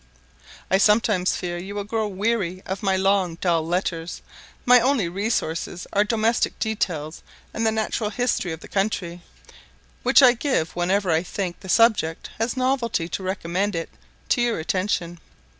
I sometimes fear you will grow weary of my long dull letters; my only resources are domestic details and the natural history of the country, which I give whenever I think the subject has novelty to recommend it to your attention.